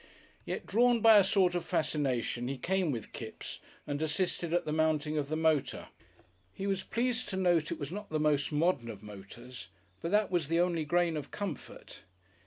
Yet drawn by a sort of fascination he came with Kipps and assisted at the mounting of the motor. He was pleased to note it was not the most modern of motors, but that was the only grain of comfort.